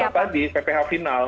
ya kami yang meminta tadi pph final